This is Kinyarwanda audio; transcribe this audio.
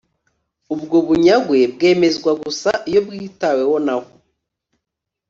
ubwo bunyagwe bwemezwa gusa iyo bwitaweho na bo